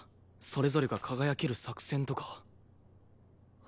それぞれが輝ける作戦とか。